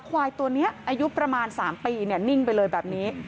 ควายตัวนี้อายุประมาณ๓ปีนิ่งไปเลยแบบนี้